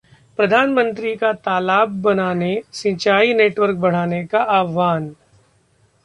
प्रधानमंत्री का तालाब बनाने, सिंचाई नेटवर्क बढ़ाने का आह्वान